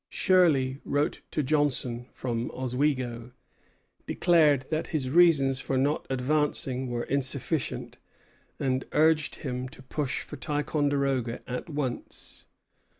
Shirley wrote to Johnson from Oswego; declared that his reasons for not advancing were insufficient, and urged him to push for Ticonderoga at once.